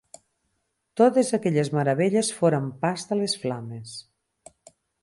Totes aquelles meravelles foren past de les flames.